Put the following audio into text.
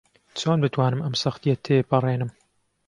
چۆن بتوانم ئەم سەختییە تێپەڕێنم؟